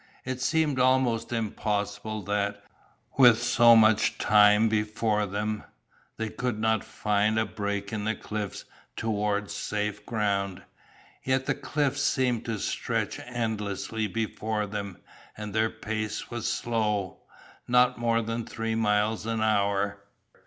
It seemed almost impossible that, with so much time before them, they could not find a break in the cliffs towards safe ground, yet the cliffs seemed to stretch endlessly before them and their pace was slow, not more than three miles an hour.